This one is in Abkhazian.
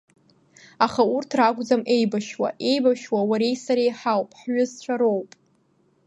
Аха урҭ ракәӡам еибашьуа, еибашьуа уареи сареи ҳауп, ҳҩызцәа роуп.